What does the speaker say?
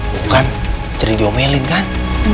bukan ceri diomelin kan